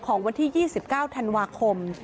วันที่๒๙ธันวาคม